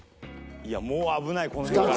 もう危ないこの辺から。